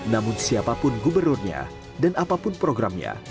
namun siapapun gubernurnya dan apapun programnya